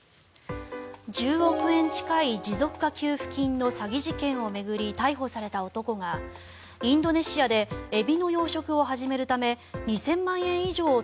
１０億円近い持続化給付金の詐欺事件を巡り逮捕された男がインドネシアでエビの養殖を始めるため２０００万円以上を